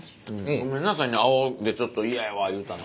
ごめんなさいね青でちょっと嫌やわ言うたの。